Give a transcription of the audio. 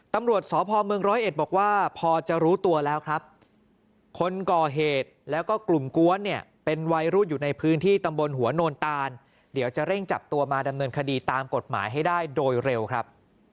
ตำรวจสพเมืองร้อยเอ็ดบอกว่าพอจะรู้ตัวแล้วครับคนก่อเหตุแล้วก็กลุ่มกวนเนี่ยเป็นวัยรุ่นอยู่ในพื้นที่ตำบลหัวโนนตานเดี๋ยวจะเร่งจับตัวมาดำเนินคดีตามกฎหมายให้ได้โดยเร็วครับ